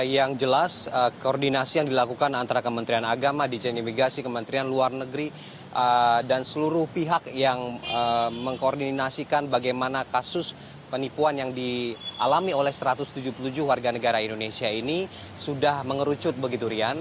yang jelas koordinasi yang dilakukan antara kementerian agama dijen imigrasi kementerian luar negeri dan seluruh pihak yang mengkoordinasikan bagaimana kasus penipuan yang dialami oleh satu ratus tujuh puluh tujuh warga negara indonesia ini sudah mengerucut begitu rian